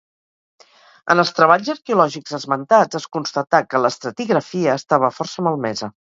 En els treballs arqueològics esmentats, es constatà que l'estratigrafia estava força malmesa.